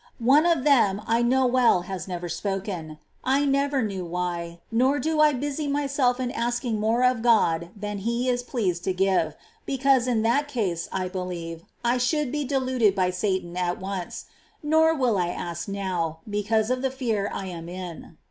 One of Them I know well has never spoken. I never knew why, nor do I busy myself in asking more of God than He is pleased to give, be cause in that case, I believe, I should be deluded by Satan at once ; nor will I ask now, because of the fear I am in.